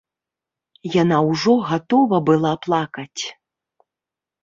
Яна ўжо гатова была плакаць.